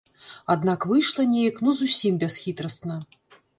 Аднак выйшла неяк ну зусім бясхітрасна.